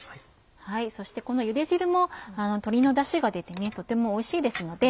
そしてこのゆで汁も鶏のダシが出てとてもおいしいですので。